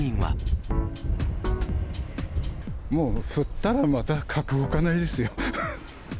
もう降ったらまたかくほかないですよ。